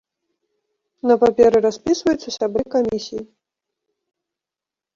На паперы распісваюцца сябры камісіі.